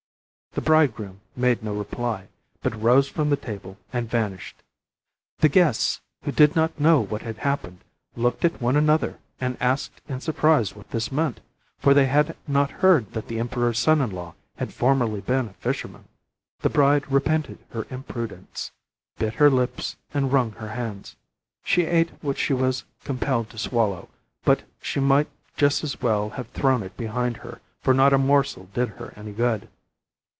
The bridegroom made no reply, but rose from the table and vanished. The guests, who did not know what had happened, looked at one another and asked in surprise what this meant, for they had not heard that the emperor's son in law had formerly been a fisherman. The bride repented her imprudence, bit her lips, and wrung her hands. She ate what she was compelled to swallow, but she might just as well have thrown it behind her, for not a morsel did her any good.